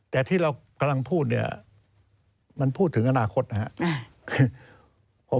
แต่ที่เรากำลังพูดเนี่ยมันพูดถึงอนาคตนะครับ